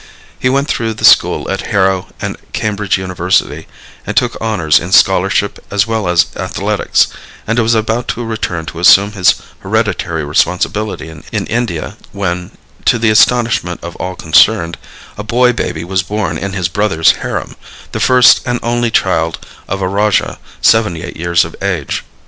He went through the school at Harrow and Cambridge University and took honors in scholarship as well as athletics, and was about to return to assume his hereditary responsibility in Indian when, to the astonishment of all concerned, a boy baby was born in his brother's harem, the first and only child of a rajah 78 years of age.